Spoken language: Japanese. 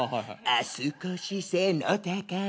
「あっ少し背の高い」